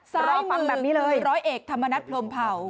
ซ้ายมือคือร้อยเอกธรรมนัฐพรมเผา